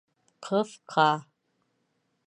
Ҡыҫҡа